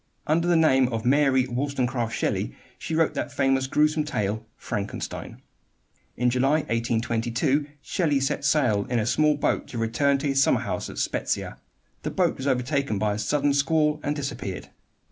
Under the name of Mary Wollstonecraft Shelley she wrote that famous grewsome tale, "Frankenstein." In July, 1822, Shelley set sail in a small boat to return to his summer home at Spezia. The boat was overtaken by a sudden squall and disappeared.